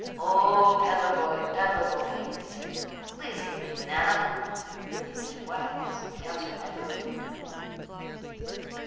"O, peddler boy, peddler boy," he said to him, "please give me a banana." The image of wax answered never a word.